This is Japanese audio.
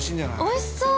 ◆おいしそう！